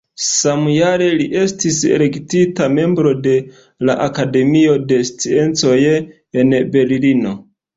Samjare li estis elektita membro de la Akademio de Sciencoj en Berlino.